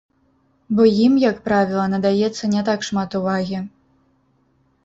Бо ім, як правіла, надаецца не так шмат увагі.